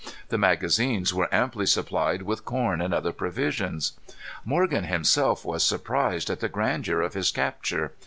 The magazines were amply supplied with corn and other provisions. Morgan himself was surprised at the grandeur of his capture.